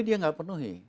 dia nggak penuhi